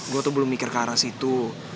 gue tuh belum mikir ke arah situ